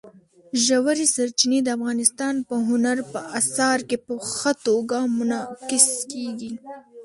ژورې سرچینې د افغانستان په هنر په اثار کې په ښه توګه منعکس کېږي.